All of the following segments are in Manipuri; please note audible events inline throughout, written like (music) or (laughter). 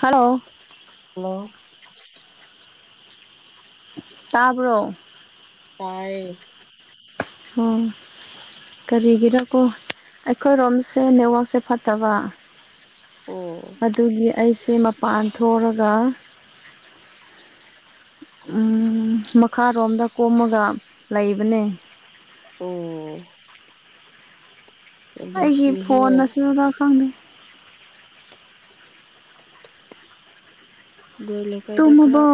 ꯍꯜꯂꯣ ꯍꯜꯂꯣ ꯇꯥꯕ꯭ꯔꯣ ꯇꯥꯏꯌꯦ ꯑꯣ ꯀꯔꯤꯒꯤꯅꯀꯣ ꯑꯩꯈꯣꯏꯔꯣꯝꯁꯦ ꯅꯦꯠꯋꯥꯛꯁꯦ ꯐꯠꯇꯕ ꯑꯣ ꯑꯗꯨꯒꯤ ꯑꯩꯁꯦ ꯃꯄꯥꯟ ꯊꯣꯛꯑꯔꯒ ꯃꯈꯥꯔꯣꯝꯗ ꯀꯣꯝꯃꯒ ꯂꯩꯕꯅꯦ ꯑꯣ ꯌꯥꯝ ꯑꯩꯒꯤ ꯅꯨꯡꯁꯤꯍꯦ ꯐꯣꯟ ꯑꯁꯤꯅꯔ ꯈꯪꯗꯦ ꯑꯗꯨꯏ ꯂꯩꯀꯥꯏꯗ ꯈꯔ ꯇꯨꯝꯃꯕꯣ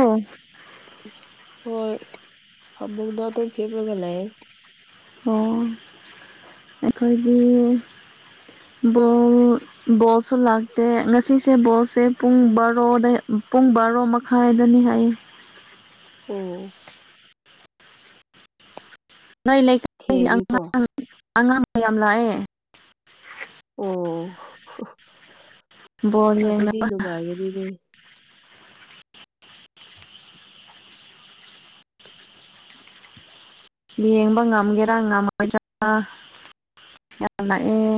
ꯍꯣꯏ ꯐꯃꯨꯗ ꯑꯗꯨꯝ ꯍꯤꯞꯄꯂꯒ ꯂꯩꯔꯦ ꯑꯣ ꯑꯩꯈꯣꯏꯒꯤ ꯕꯣꯜ ꯕꯣꯜꯁꯨ ꯂꯥꯛꯇꯦ ꯉꯁꯤꯁꯦ ꯕꯣꯜꯁꯦ ꯄꯨꯡ ꯕꯥꯔꯣꯗꯤꯏ ꯄꯨꯡ ꯕꯥꯔꯣ ꯈꯥꯏꯔꯅꯤ ꯍꯥꯏꯌꯦ ꯑꯣ ꯅꯣꯏ ꯂꯩꯀꯥꯏ ꯊꯦꯡꯉꯤꯀꯣ ꯑꯉꯥꯡ ꯑꯉꯥꯡ ꯃꯌꯥꯝ ꯂꯥꯛꯑꯦ ꯑꯣ ꯕꯣꯜ ꯌꯦꯡꯅ ꯑꯗꯨꯗꯤ ꯅꯨꯡꯉꯥꯏꯒꯅꯤꯅꯦ ꯌꯦꯡꯕ ꯉꯥꯝꯒꯦꯔ ꯉꯥꯝꯃꫭꯏꯔ ꯌꯥꯝ ꯅꯥꯛꯑꯦ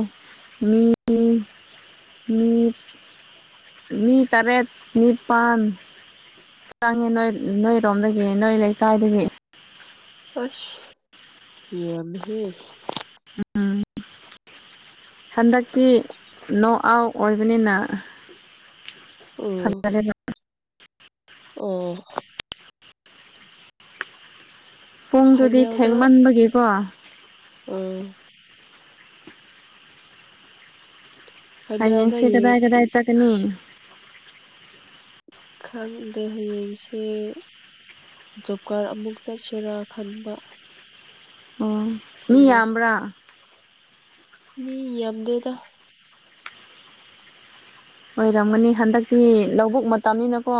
ꯃꯤ ꯃꯤ ꯃꯤ ꯇ꯭ꯔꯦꯠ ꯅꯤꯄꯥꯟ ꯆꯪꯉꯦ ꯅꯣꯏ ꯅꯣꯏꯔꯣꯝꯗꯒꯤ ꯅꯣꯏ ꯂꯩꯀꯥꯏꯗꯒꯤ ꯑꯁ ꯌꯥꯝꯃꯤꯍꯦ ꯍꯟꯗꯛꯇꯤ ꯅꯣ ꯑꯥꯎ ꯑꯣꯏꯕꯅꯤꯅ ꯑꯣ ꯐꯖꯔꯦꯕ ꯑꯣ ꯄꯨꯡꯗꯨꯗꯤ ꯐꯥꯏꯅꯦꯜꯗ ꯊꯦꯡꯃꯟꯕꯒꯤꯀꯣ ꯑꯥ ꯐꯥꯏꯅꯦꯜꯗ ꯍꯌꯦꯡꯁꯦ ꯌꯦꯡ ꯀꯗꯥꯏ ꯀꯗꯥꯏ ꯆꯠꯀꯅꯤ ꯈꯪꯗꯦ ꯍꯌꯦꯡꯁꯦ ꯖꯣꯕ ꯀꯥꯔ ꯑꯃꯨꯛ ꯆꯠꯁꯤꯔꯥ ꯈꯟꯕ ꯑꯣ ꯃꯤ ꯈꯪꯗꯦ ꯌꯥꯝꯕ꯭ꯔꯥ ꯃꯤ ꯌꯥꯝꯗꯦꯗ ꯑꯣꯏꯔꯝꯒꯅꯤ ꯍꯟꯗꯛꯇꯤ ꯂꯧꯕꯨꯛ ꯃꯇꯝꯅꯤꯅꯀꯣ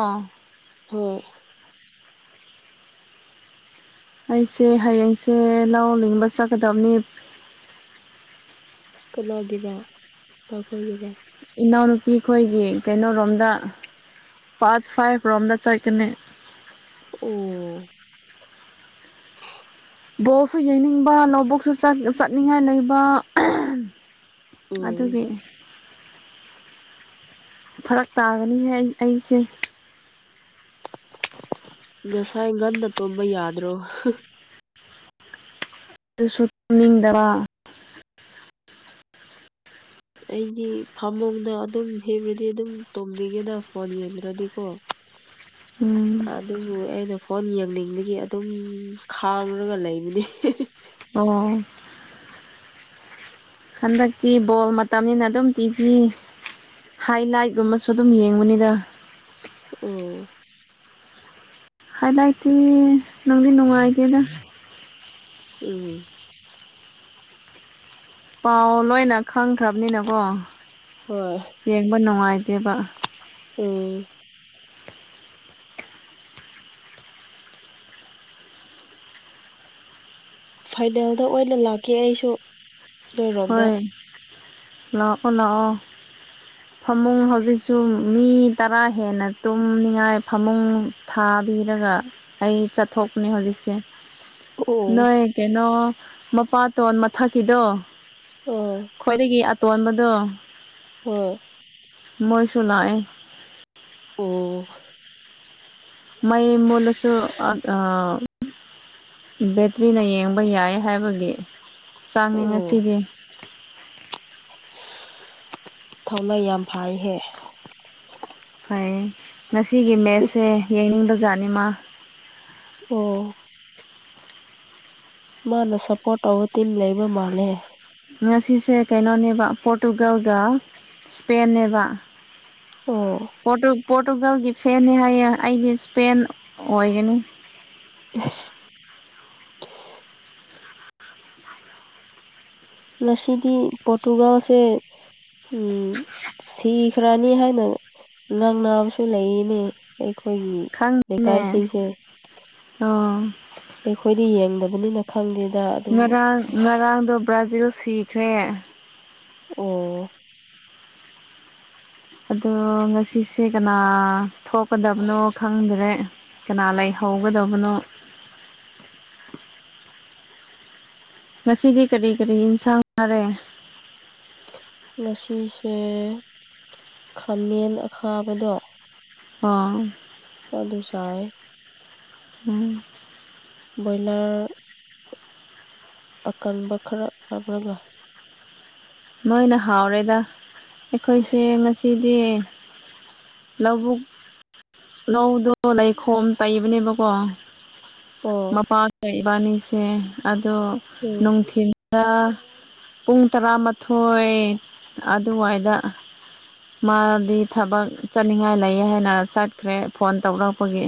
ꯍꯣꯏ ꯑꯩꯁꯦ ꯍꯌꯦꯡꯁꯦ ꯂ ꯂꯤꯡꯕ ꯆꯠꯀꯗꯕꯅꯤ ꯀꯂꯥꯒꯤꯔꯥ ꯅꯥꯈꯣꯏꯒꯤꯔꯥ ꯏꯅꯥꯎꯅꯨꯄꯤ ꯑꯩꯈꯣꯏꯒꯤ ꯀꯩꯅꯣꯔꯣꯝꯗ ꯄꯥꯠ ꯐꯥꯏꯚ ꯔꯣꯝꯗ ꯆꯠꯀꯅꯤ ꯑꯣ ꯕꯣꯛꯁꯨ ꯌꯩꯅꯤꯡꯕ ꯅꯣꯠ ꯕꯣꯛꯁꯨ ꯆꯠꯅꯤꯡꯉꯥꯏ ꯂꯩꯕ ꯎꯝ ꯑꯗꯨꯅꯦ ꯐꯔꯛ ꯇꯥꯒꯅꯤꯍꯦ ꯑꯩ ꯑꯩꯁꯦ ꯉꯁꯥꯏ ꯉꯟꯅ ꯇꯨꯝꯕ ꯌꯥꯗ꯭ꯔꯣ ꯑꯗꯨꯁꯨ ꯇꯨꯝꯅꯤꯡꯗꯕ ꯑꯩꯗꯤ ꯐꯃꯨꯡꯗ ꯑꯗꯨꯝ ꯍꯦꯟꯕꯗꯤ ꯑꯗꯨꯝ ꯇꯣꯡꯝꯕꯤꯒꯦꯗ ꯐꯣꯟ ꯌꯦꯡꯗ꯭ꯔꯗꯤꯀꯣ (unintelligible) ꯎꯝ ꯑꯗꯨꯕꯨ ꯑꯩꯅ ꯐꯣꯟ ꯌꯦꯡꯅꯤꯡꯕꯒꯤ ꯑꯗꯨꯝ ꯈꯥꯡꯔꯒ ꯂꯩꯕꯅꯤ ꯑꯣ ꯍꯟꯗꯛꯇꯤ ꯕꯣꯜ ꯃꯇꯝꯅꯤꯅ ꯑꯗꯨꯝ ꯇꯤꯚꯤ ꯍꯥꯏꯂꯥꯏꯠꯀꯨꯝꯕꯁꯨ ꯑꯗꯨꯝ ꯌꯦꯡꯕꯅꯤꯗ ꯑꯣ ꯍꯥꯏ ꯂꯇ ꯅꯪꯗꯤ ꯅꯨꯡꯉꯥꯏꯇꯦꯗ ꯑꯝ ꯄꯥꯎ ꯂꯣꯏꯅ ꯈꯪꯈ꯭ꯔꯕꯅꯤꯅ ꯀꯣ ꯍꯣꯏ ꯌꯦꯡꯕ ꯅꯨꯡꯉꯥꯏꯇꯦꯕ ꯎꯝ ꯐꯥꯏꯅꯦꯜꯗ ꯑꯣꯏꯅ ꯂꯥꯛꯀ ꯑꯩꯁꯨ ꯅꯣꯏꯔꯣꯝꯗ ꯍꯣꯏ ꯂꯥꯛꯑꯣ ꯂꯥꯛꯑꯣ ꯐꯃꯨꯡ ꯍꯧꯖꯤꯛꯁꯨ ꯃꯤ ꯇꯔꯥ ꯍꯦꯟꯅ ꯇꯨꯝꯅꯤꯡꯉꯥꯏ ꯐꯃꯨꯡ ꯊꯥꯕꯤꯔꯒ ꯑꯩ ꯆꯠꯊꯣꯛꯄꯅꯦ ꯍꯧꯖꯤꯛꯁꯦ ꯑꯣ ꯅꯣꯏ ꯀꯩꯅꯣ ꯃꯄꯥꯇꯣꯟ ꯃꯊꯛꯀꯤꯗꯣ ꯑꯥ ꯈ꯭ꯋꯥꯏꯗꯒꯤ ꯑꯇꯣꯟꯕꯗꯣ ꯍꯣꯏ ꯃꯣꯏꯁꯨ ꯂꯥꯛꯌꯦ ꯑꯣ ꯃꯩ ꯃꯨꯠꯂꯁꯨ ꯕꯦꯇ꯭ꯔꯤꯅ ꯌꯦꯡꯕ ꯌꯥꯏ ꯍꯥꯏꯕꯒꯤ ꯆꯥꯡꯏ ꯑꯣ ꯉꯁꯤꯗꯤ ꯊꯧꯅꯥ ꯌꯥꯝ ꯐꯩꯍꯦ ꯐꯩ ꯉꯁꯤꯒꯤ ꯃꯦꯠꯁꯦ ꯌꯦꯡꯅꯤꯡꯕꯖꯥꯠꯅꯤ ꯃꯥ ꯑꯣ ꯃꯥꯅ ꯁꯞꯄꯣꯔꯠ ꯇꯧꯕ ꯇꯤꯝ ꯂꯩꯕ ꯃꯥꯜꯂꯦ ꯉꯁꯤꯁꯦ ꯀꯩꯅꯣꯅꯦꯕ ꯄꯣꯔꯇꯨꯒꯜꯒ ꯏꯁꯄꯦꯟꯅꯦꯕ ꯑꯣ ꯄꯣꯔꯇꯨꯒꯜꯒꯤ ꯐꯦꯅꯤ ꯍꯥꯏꯌꯦ ꯑꯩꯗꯤ ꯏꯁꯄꯦꯟ ꯑꯣꯏꯒꯅꯤ ꯑꯁ ꯉꯁꯤꯗꯤ ꯕꯣꯔꯇꯣꯒꯥꯜꯁꯦ ꯎꯝ ꯁꯤꯈ꯭ꯔꯅꯤ ꯍꯥꯏꯅ ꯅꯪ ꯅꯥꯕꯁꯨ ꯂꯩꯔꯤꯅꯦ ꯑꯩꯈꯣꯏꯒꯤ ꯈꯪꯗꯦꯅꯦ ꯂꯩꯀꯥꯏꯁꯤꯡꯁꯦ ꯑꯣ ꯑꯩꯈꯣꯏꯗꯤ ꯌꯦꯡꯗꯕꯅꯤꯅ ꯈꯪꯗꯦꯗ ꯑꯗꯨꯕꯨ ꯉꯔꯥꯡ ꯉꯔꯥꯡꯗꯣ ꯕ꯭ꯔꯥꯖꯤꯜ ꯁꯤꯈ꯭ꯔꯦ ꯑꯣ ꯑꯗꯣ ꯉꯁꯤꯁꯦ ꯀꯅꯥ ꯊꯣꯛꯀꯗꯕꯅꯣ ꯈꯪꯗ꯭ꯔꯦ ꯀꯅꯥ ꯂꯩꯍꯧꯒꯗꯕꯅꯣ ꯉꯁꯤꯗꯤ ꯀꯔꯤ ꯀꯔꯤ ꯌꯦꯟꯁꯥꯡ ꯅꯥꯔꯦ ꯉꯁꯤꯁꯦ ꯈꯥꯃꯦꯟ ꯑꯈꯥꯕꯗꯣ ꯑꯣ ꯑꯗꯨꯗꯨꯁꯥꯏ ꯎꯝ ꯕ꯭ꯔꯣꯌꯂꯔ ꯑꯀꯟꯕ ꯈꯔ ꯍꯥꯞꯔꯒ ꯃꯣꯏꯅ ꯍꯥꯎꯔꯦꯗ ꯑꯩꯈꯣꯏꯁꯦ ꯉꯁꯤꯗꯤ ꯂꯧꯕꯨꯛ ꯂꯧꯗꯣ ꯂꯩꯈꯣꯝ ꯇꯩꯕꯅꯦꯕꯀꯣ ꯑꯣ ꯃꯄꯥꯥꯟꯗ ꯏꯕꯥꯅꯤꯁꯦ ꯑꯗꯣ ꯎꯝ ꯅꯨꯡꯊꯜ ꯄꯨꯡ ꯇꯔꯥꯃꯥꯊꯣꯏ ꯑꯗꯨꯋꯥꯏꯗ ꯃꯥꯗꯤ ꯊꯕꯛ ꯆꯠꯅꯤꯡꯉꯥꯏ ꯂꯩ ꯍꯥꯏꯅ ꯆꯠꯈ꯭ꯔꯦ ꯐꯣꯟ ꯇꯧꯔꯛꯄꯒꯤ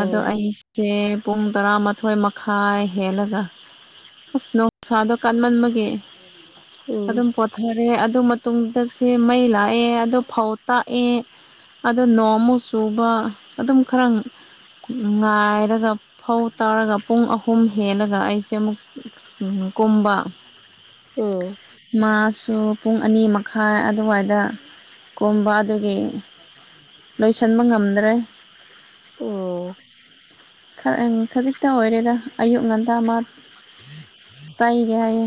ꯑꯗꯣ ꯑꯩꯁꯦ ꯄꯨꯡ ꯇꯔꯥꯃꯥꯊꯣꯏ ꯃꯈꯥꯏ ꯍꯦꯜꯂꯒ ꯑꯁ ꯅꯅꯨꯡꯁꯥꯗꯣ ꯀꯥꯟꯃꯟꯕꯒꯦ ꯎꯝ ꯑꯗꯨꯝ ꯀꯣ ꯊꯔꯦ ꯑꯗꯨ ꯃꯇꯨꯡꯗꯁꯦ ꯃꯩ ꯂꯥꯛꯑꯦ ꯑꯗꯨ ꯐꯧ ꯇꯥꯛꯑꯦ ꯑꯗ ꯅꯣꯡꯃꯨ ꯆꯨꯕ ꯑꯗꯨꯝ ꯈꯔ ꯉꯥꯏꯔꯒ ꯐꯧ ꯇꯥꯔꯒ ꯄꯨꯡ ꯑꯍꯨꯝ ꯍꯦꯜꯂꯒ ꯑꯩꯁꯦ ꯑꯃꯨꯛ ꯎꯝ ꯀꯝꯕ ꯎꯝ ꯃꯥꯁꯨ ꯄꯨꯡ ꯑꯅꯤ ꯃꯈꯥꯏ ꯑꯗꯨꯋꯥꯏꯗ ꯀꯣꯝꯕ ꯑꯗꯨꯒꯤ ꯂꯣꯏꯁꯤꯟꯕ ꯉꯝꯗ꯭ꯔꯦ ꯑꯣ ꯈꯖꯤꯛꯇꯪ ꯑꯣꯏꯔꯦꯗ ꯑꯌꯨꯛ ꯉꯟꯇꯥ ꯑꯃ ꯇꯩꯒꯦ ꯍꯥꯏꯌꯦ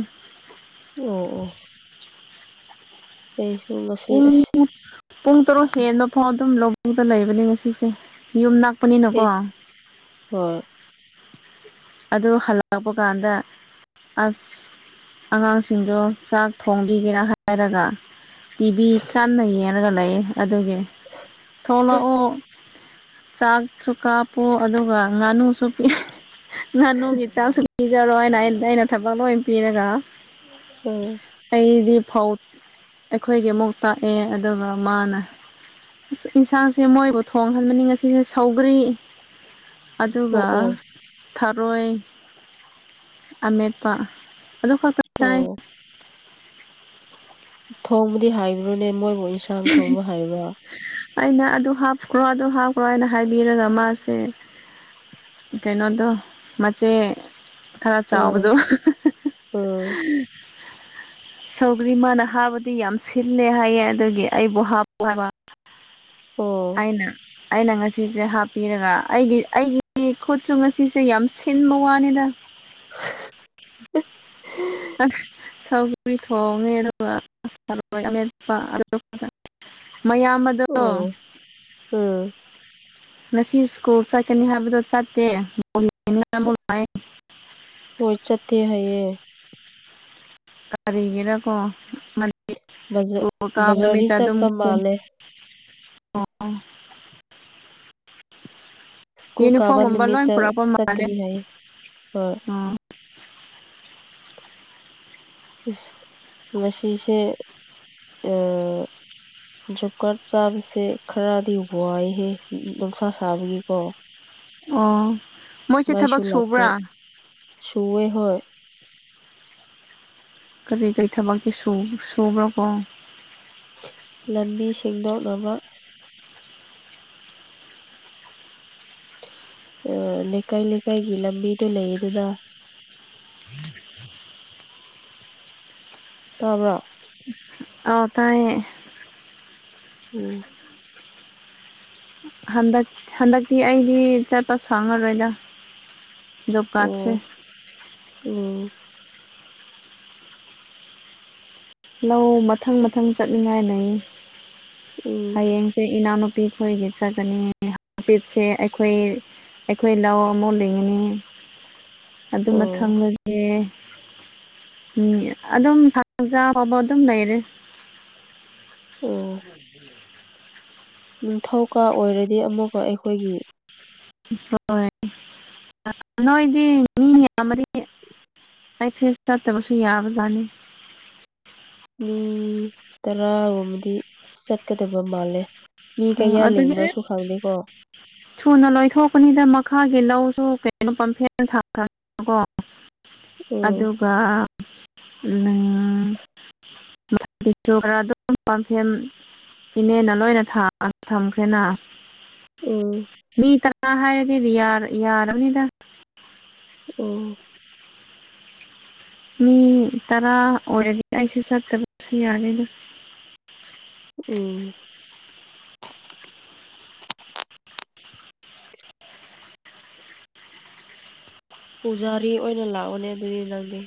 ꯑ ꯑ (inaudible) ꯑꯩꯁꯨꯨꯝ ꯄꯨꯡ ꯄꯨꯡ ꯇꯔꯨꯛ ꯍꯦꯟꯕ ꯐꯥꯎ ꯑꯗꯨꯝ ꯂꯧꯕꯨꯛꯇ ꯂꯩꯕꯅꯦ ꯉꯁꯤꯁꯦ ꯌꯨꯝ ꯅꯛꯄꯅꯤꯅꯀꯣ ꯍꯣꯏ ꯑꯗꯨ ꯍꯜꯂꯛꯄ ꯀꯥꯟꯗ ꯑꯁ ꯑꯉꯥꯡꯁꯤꯡꯗꯣ ꯆꯥꯛ ꯊꯣꯡꯕꯤꯒꯦꯔ ꯍꯥꯏꯔꯒ ꯇꯤꯚꯤ ꯀꯥꯟꯅ ꯌꯦꯡꯔꯒ ꯂꯩ ꯑꯗꯨꯒꯤ ꯊꯣꯛꯂꯛꯑꯣ ꯆꯥꯛꯁꯨ ꯀꯥꯞꯄꯨ ꯑꯗꯨꯒ ꯉꯥꯅꯨꯁꯨ ꯄꯤ ꯉꯥꯅꯨꯒꯤ ꯆꯥꯡꯁꯨ ꯄꯤꯖꯔꯣꯏ ꯍꯥꯏꯅ ꯑꯩꯅ ꯊꯕꯛ ꯂꯣꯏ ꯄꯤꯔꯒ ꯎꯝ ꯑꯩꯗꯤ ꯐꯧ ꯑꯩꯈꯣꯏꯒꯤ ꯑꯃꯨꯛ ꯇꯥꯛꯑꯦ ꯑꯗꯨꯒ ꯃꯥꯅ ꯏꯟꯁꯥꯡꯁꯦ ꯃꯣꯏꯕꯨ ꯊꯣꯡꯍꯟꯕꯅꯤ ꯉꯁꯤꯁꯦ ꯁꯧꯒꯔꯤ ꯑꯣ ꯑꯗꯨꯒ ꯑꯣ ꯊꯔꯣꯏ ꯑꯃꯦꯠꯄ ꯑꯗꯨ ꯈꯛꯇ ꯆꯥꯏ ꯑꯣ ꯊꯣꯡꯕꯗꯤ ꯍꯥꯏꯕ꯭ꯔꯣꯅꯦ ꯃꯣꯏꯕꯨ ꯏꯟꯁꯥꯡ ꯊꯣꯡꯕ ꯍꯥꯏꯕ꯭ꯔꯣ ꯑꯩꯅ ꯑꯗꯨ ꯍꯥꯞꯈ꯭ꯔꯣ ꯑꯗꯨ ꯍꯥꯞꯈ꯭ꯔꯣ ꯍꯥꯏꯅ ꯍꯥꯏꯕꯤꯔꯒ ꯃꯥꯁꯦ ꯀꯩꯅꯣꯗꯣ ꯃꯆꯦ ꯈꯔ ꯆꯥꯎꯕꯗꯣ ꯎꯝ ꯎꯝ ꯁꯧꯒ꯭ꯔꯤ ꯃꯥꯅ ꯍꯥꯞꯕꯗꯤ ꯌꯥꯝ ꯁꯤꯜꯂꯦ ꯍꯥꯏꯌꯦ ꯑꯗꯨꯒꯤ ꯑꯩꯕꯨ ꯍꯥꯞ ꯄꯣꯍꯥꯏꯕ ꯑꯣ ꯑꯩꯅ ꯑꯩꯅ ꯉꯁꯤꯁꯦ ꯍꯥꯞꯄꯤꯔꯒ ꯑꯩꯒꯤ ꯑꯩꯒꯤ ꯈꯨꯠꯁꯨ ꯉꯁꯤꯁꯦ ꯌꯥꯝ ꯁꯤꯟꯕ ꯋꯥꯅꯤꯗ (unintelligible) ꯑꯅ ꯁꯧꯒ꯭ꯔꯤ__ ꯒ꯭ꯔꯤ ꯊꯣꯡꯉꯦ ꯑꯗꯨꯒ ꯊꯔꯣꯏ ꯃꯦꯠꯄ ꯑꯗꯨꯒ ꯃꯌꯥꯝ ꯑ__ (unintelligible) ꯑꯣ ꯎꯝ ꯉꯁꯤ ꯁ꯭ꯀꯨꯜ ꯆꯠꯀꯅꯤ ꯍꯥꯏꯕꯗꯣ ꯆꯠꯇꯦ (unintelligible) ꯍꯣꯏ ꯆꯠꯇꯦ ꯍꯥꯏꯌꯦ ꯀꯔꯤꯒꯤꯔꯥꯀꯣ ꯃꯟ (unintelligible) ꯕꯖ ꯁ꯭ꯀꯨꯜ ꯀꯥꯕ ꯕꯖꯥꯔꯗꯤ ꯅꯨꯃꯤꯠꯇ ꯑꯗꯨꯝ ꯆꯠꯄ ꯃꯥꯜꯂꯦ (unintelligible) ꯁ꯭ꯀꯨꯜ ꯀꯥꯕ ꯌꯨꯅꯤꯐꯣꯔꯝꯒꯨꯝꯕ ꯂꯣꯏ ꯅꯨꯃꯤꯠꯇ ꯄꯨꯔꯛꯄ ꯃꯥꯜꯂꯦ ꯆꯠꯀꯅꯤ ꯍꯥꯏꯌꯦ ꯍꯣꯏ ꯑꯣ ꯏꯁ ꯉꯁꯤꯁꯦ ꯑ ꯖꯣꯞ ꯀꯥꯔꯠ ꯆꯥꯕꯁꯦ ꯈꯔꯗꯤ ꯋꯥꯏꯍꯦ ꯅꯨꯡꯁꯥ ꯁꯥꯕꯒꯤꯀꯣ ꯑꯣ ꯃꯣꯏꯁꯦ ꯃꯥꯏꯁꯨ ꯊꯕꯛ ꯂꯥꯛꯇꯦ ꯁꯨꯕ꯭ꯔꯥ ꯁꯨꯋꯦ ꯍꯣꯏ ꯀꯔꯤ ꯀꯔꯤ ꯊꯕꯛꯇꯤ ꯁꯨꯕ ꯁꯨꯕ꯭ꯔꯥ ꯀꯣ ꯂꯝꯕꯤ ꯁꯦꯡꯗꯣꯛꯅꯕ ꯑꯣ ꯂꯩꯀꯥꯏ ꯂꯩꯀꯥꯏꯒꯤ ꯂꯝꯕꯤꯗꯨ ꯂꯩꯌꯦꯗꯅ ꯇꯥꯕ꯭ꯔꯣ ꯑꯥꯎ ꯇꯥꯏꯌꯦ ꯎꯝ ꯍꯟꯗꯛ ꯍꯟꯗꯛꯇꯤ ꯑꯩꯗꯤ ꯆꯠꯄ ꯁꯪꯉꯔꯣꯏꯗ ꯑꯣ ꯎꯝ ꯂꯧ ꯃꯊꯪ ꯃꯊꯪ ꯆꯠꯅꯤꯡꯉꯥꯏ ꯂꯩꯌꯦ ꯎꯝ ꯍꯌꯦꯡꯁꯦ ꯏꯅꯥꯎꯅꯨꯞ __ ꯄꯤ ꯈꯣꯏꯒꯤ ꯆꯠꯀꯅꯤ ꯍꯪꯆꯤꯠꯁꯦ ꯑꯩꯈꯣꯏ ꯄꯤꯛ__ ꯑꯩꯈꯣꯏ ꯂꯧ ꯑꯃꯨꯛ ꯂꯤꯡꯉꯤ ꯑꯗꯨ ꯑꯣ ꯃꯊꯪꯗꯗꯤ ꯎꯝ ꯑꯗꯨꯝ (unintelligible) ꯍꯣꯕ ꯑꯗꯨꯝ ꯂꯩꯩꯔꯦ ꯑꯣ (unintelligible) ꯅꯤꯡꯊꯧꯀꯥ ꯑꯣꯏꯔꯗꯤ ꯑꯃꯨꯛꯀ ꯑꯩꯈꯣꯏꯒꯤ (unintelligible) (unintelligible) ꯅꯣꯏꯗꯤ ꯃꯤ ꯌꯥꯝꯃꯗꯤ ꯄꯥꯏꯁꯦꯁ ꯅꯠꯇꯕꯁꯨ ꯌꯥꯕ ꯖꯥꯠꯅꯤ ꯃꯤ ꯇꯔꯥꯒꯨꯝꯕꯗꯤ ꯆꯠꯀꯗꯕ ꯃꯥꯜꯂꯦ ꯃꯤ ꯎꯝ ꯀꯌꯥ ꯑꯗꯨꯗꯤ ꯑꯩ ꯂꯤꯡꯕꯁꯨ ꯈꯪꯗꯦꯀꯣ ꯊꯨꯅ ꯂꯣꯏꯊꯣꯛꯀꯅꯤꯗ ꯃꯈꯥꯒꯤ ꯂꯧꯁꯨ ꯀꯩꯅꯣ ꯄꯝꯐꯦꯠꯅ ꯊꯥꯈ꯭ꯔ__ ꯀꯣ ꯎꯝ ꯑꯗꯨꯒ ꯅꯪ (unintelligible) (unintelligible) ꯈꯔ ꯑꯗꯨꯝ ꯄꯥꯝꯐꯦꯝ ꯏꯅꯦꯅ ꯂꯣꯏꯅ ꯊꯥ__ (unintelligible) ꯊꯝꯈ꯭ꯔꯦꯅꯥ ꯎꯝ ꯃꯤ ꯇꯔꯥ ꯍꯥꯏꯔꯗꯤ ꯔꯤꯌꯥ ꯌꯥꯔꯕꯅꯤꯗ ꯎꯝ ꯃꯤ ꯇꯔꯥ ꯑꯣꯏꯔꯗꯤ ꯑꯩꯁꯦ ꯆꯠꯇꯨꯕꯁꯨ ꯌꯥꯔꯅꯤ ꯎꯝ (unintelligible) ꯄꯨꯖꯥꯔꯤ ꯑꯣꯏꯅ ꯂꯥꯛꯑꯣꯅꯦ ꯑꯗꯨꯗꯤ ꯅꯪꯗꯤ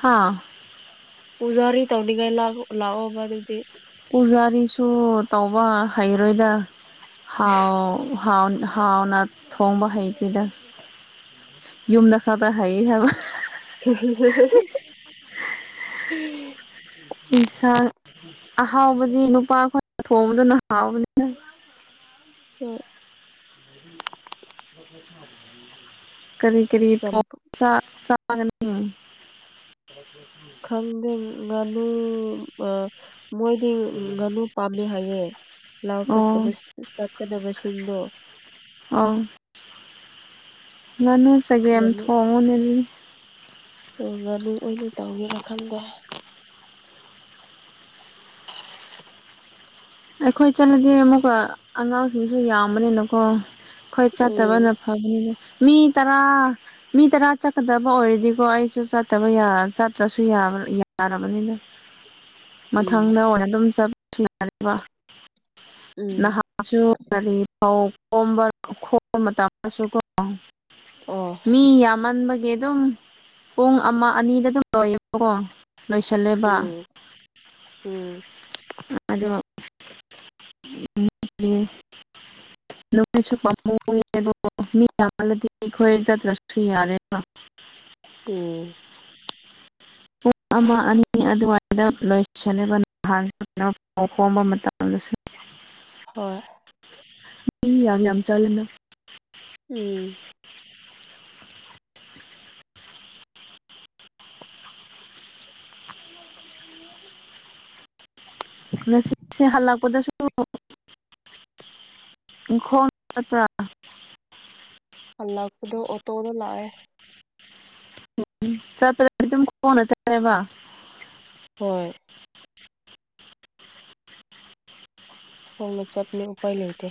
ꯍꯥꯥ ꯄꯨꯖꯥꯔꯤ ꯇꯧꯅꯤꯉꯥꯏ ꯂꯥꯛ ꯂꯥꯎꯑꯣꯕ ꯑꯗꯨꯗꯤ ꯄꯨꯖꯥꯔꯤꯁꯨ ꯇꯧꯕ ꯍꯩꯔꯣꯏꯗ ꯍꯥꯎ (unintelligible) ꯍꯥꯎꯟ ꯍꯥꯎꯅ ꯊꯣꯡꯕ ꯍꯩꯇꯦꯗ ꯌꯨꯝꯗ ꯈꯇ ꯍꯩꯌꯦ ꯍꯥꯏꯕ (unintelligible) (unintelligible) ꯏꯟꯁꯥꯡ ꯑꯍꯥꯎꯕꯗꯤ ꯅꯨꯄꯥ ꯑꯩꯈꯣꯏꯅ ꯊꯣꯡꯕꯗꯨꯅ ꯍꯥꯎꯕꯅꯤꯗ ꯊꯣ ꯉꯁꯥꯏꯒꯤ ꯀꯔꯤ ꯀꯔꯤ ꯊꯣꯡ ꯆꯥꯛ ꯆꯥꯒꯅꯤ (unintelligible) ꯈꯪꯗꯦ ꯉꯥꯅꯨ ꯑꯥ ꯃꯣꯏꯗꯤ ꯉꯥꯅꯨ ꯄꯥꯝꯃꯦ ꯍꯥꯏꯌꯦ ꯂꯥꯎ ꯑꯣ ꯆꯀꯕꯁꯤ ꯆꯠꯀꯗꯕꯁꯤꯡꯗꯣ ꯑꯣ ꯉꯥꯅꯨ ꯆꯒꯦꯝ ꯉꯥꯅꯨ ꯊꯣꯡꯉꯣꯅꯦ ꯑꯗꯨꯗꯤ ꯑꯣ ꯉꯥꯅꯨ ꯑꯣꯏꯅ ꯇꯥꯎꯒꯦꯔꯥ ꯈꯪꯗꯦ (unintelligible) ꯑꯩꯈꯣꯏ ꯆꯠꯂꯗꯤ ꯑꯃꯨꯛꯀ ꯑꯉꯥꯡꯁꯤꯡꯁꯨ ꯌꯥꯝꯕꯅꯤꯅꯀꯣ ꯑꯩꯈꯣꯏ ꯎꯝ ꯆꯠꯇꯕꯅ ꯐꯒꯅꯤꯗ ꯃꯤ ꯇꯔꯥ ꯃꯤ ꯇꯔꯥ ꯆꯠꯀꯗꯕ ꯑꯣꯏꯔꯗꯤꯀꯣ ꯑꯩꯁꯨ ꯆꯠꯇꯕ ꯌꯥ ꯆꯠꯇ꯭ꯔꯁꯨ ꯌꯥꯕ ꯌꯥꯔꯕꯅꯤꯗ (inaudible) ꯎꯝ ꯃꯊꯪꯗ ꯑꯣꯏꯅ ꯑꯗꯨꯝ ꯆꯠ (unintelligible) ꯎꯝ ꯅꯍꯥꯛ (unintelligible) ꯒꯥꯔꯤ ꯐꯥꯎ ꯈꯣꯝꯕ ꯈꯣꯝꯕ ꯃꯇꯝꯗꯁꯨ ꯀꯣ ꯑꯣ ꯑꯣ ꯃꯤ ꯌꯥꯝꯃꯟꯕꯒꯤ ꯑꯗꯨꯝ ꯄꯨꯡ ꯑꯃ ꯑꯅꯤꯗ ꯑꯗꯨꯝ ꯂꯣꯏꯌꯦꯕꯀꯣ ꯂꯣꯏꯁꯜꯂꯦꯕ ꯎꯝ ꯎꯝ ꯑꯗꯨ (unintelligible) (inaudible) (unintelligible) ꯑꯩꯈꯣꯏ ꯆꯠꯇ꯭ꯔꯁꯨ ꯌꯥꯔꯦꯕ ꯎꯝ ꯄꯨꯡ ꯑꯃ ꯑꯅꯤ ꯑꯗꯨꯋꯥꯏꯗ ꯂꯣꯏꯁꯜꯂꯦꯕ ꯅꯍꯥꯟ (unintelligible) ꯍꯣꯏ ꯃꯤ ꯌꯥꯝ ꯌꯥꯝ ꯆꯠꯂꯦꯗ ꯎꯝ ꯉꯁꯤꯁꯦ ꯍꯜꯂꯛꯄꯗꯁꯨ ꯏꯪꯈꯣꯟ ꯆꯠꯄ꯭ꯔꯥ ꯍꯜꯂꯛꯄꯗꯣ ꯑꯣꯇꯣꯗ ꯂꯥꯛꯑꯦ ꯎꯝ ꯆꯠꯄꯗꯗꯤ ꯑꯗꯨꯝ ꯈꯣꯡꯅ ꯆꯠꯂꯦꯕ ꯍꯣꯏ ꯈꯣꯡꯅ ꯆꯠꯄꯅꯦ ꯎꯄꯥꯥꯏ ꯂꯩꯇꯦ